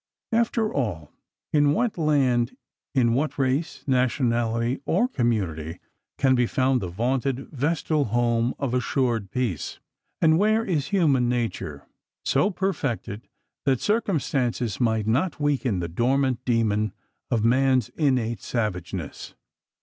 After all, in what land, in what race, nationality, or community can be found the vaunted vestal home of assured peace? And where is human nature so perfected that circumstances might not waken the dormant demon of man's innate savageness?